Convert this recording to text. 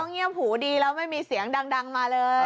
เงียบหูดีแล้วไม่มีเสียงดังมาเลย